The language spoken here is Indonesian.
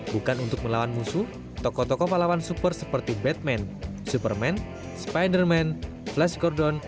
bukan untuk melawan musuh tokoh tokoh pahlawan super seperti batman superman spiderman flash cordon